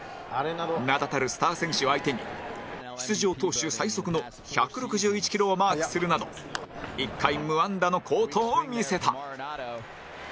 名だたるスター選手相手に出場投手最速の１６１キロをマークするなど１回無安打の好投を見せた